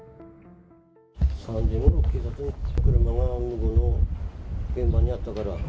３時ごろ、車が向こうの現場にあったから。